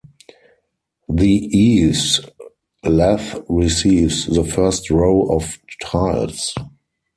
The eaves lath receives the first row of tiles.